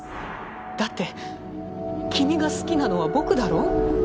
だって君が好きなのは僕だろ？